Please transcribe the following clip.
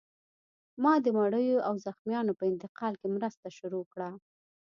ما د مړیو او زخمیانو په انتقال کې مرسته شروع کړه